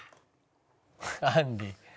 「あんり」